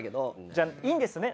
じゃあいいんですね？